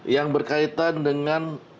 yang berkaitan dengan